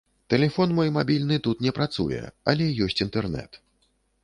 Тэлефон мой мабільны тут не працуе, але ёсць інтэрнэт.